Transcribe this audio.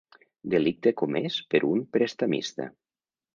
Delicte comès per un prestamista.